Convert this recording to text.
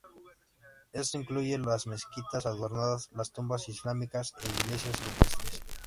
Esto incluye las mezquitas adornadas, las tumbas islámicas e iglesias rupestres.